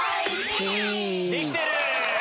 できてる！